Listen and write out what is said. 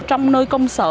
trong nơi công sở